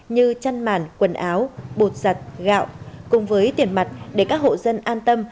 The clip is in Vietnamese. như chăn màn quần áo bột giặt gạo cùng với tiền mặt để các hộ dân an tâm